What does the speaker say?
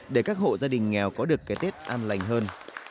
để các hộ gia đình nghèo có được cái tết an lành hơn